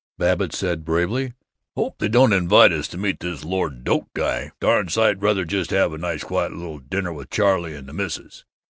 Babbitt said bravely, "I hope they don't invite us to meet this Lord Doak guy. Darn sight rather just have a nice quiet little dinner with Charley and the Missus."